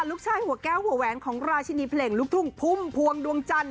หัวแก้วหัวแหวนของราชินีเพลงลูกทุ่งพุ่มพวงดวงจันท